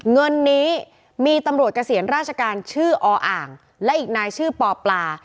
เงินนี้มีตำรวจเกษียณราชการชื่อออ่างและอีกนายชื่อปอปลา